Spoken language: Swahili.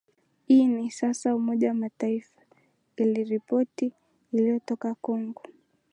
ini sasa umoja wa mataifa ile riporti iliyotoka congo